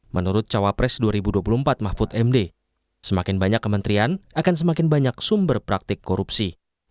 menurut cawapres dua ribu dua puluh empat mahfud md semakin banyak kementerian akan semakin banyak sumber praktik korupsi